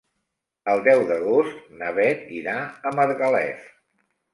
El deu d'agost na Beth irà a Margalef.